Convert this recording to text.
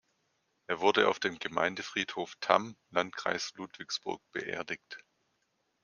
Er wurde auf dem Gemeindefriedhof Tamm, Landkreis Ludwigsburg beerdigt.